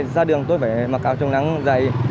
ra đường tôi phải mặc cào chống nắng dày